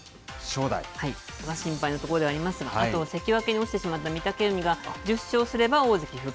心配なところではありますが、あと関脇に落ちてしまった御嶽海そうですね。